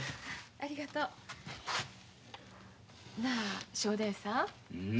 ありがとう。なあ正太夫さん。